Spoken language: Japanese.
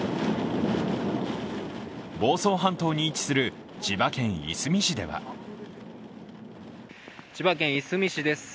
房総半島に位置する千葉県いすみ市では千葉県いすみ市です。